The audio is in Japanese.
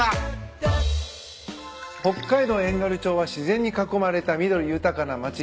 北海道遠軽町は自然に囲まれた緑豊かな町。